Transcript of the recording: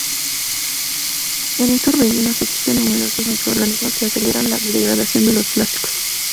En estos rellenos, existen numerosos microorganismos que aceleran la biodegradación de los plásticos.